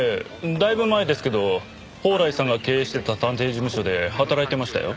だいぶ前ですけど宝来さんが経営してた探偵事務所で働いてましたよ。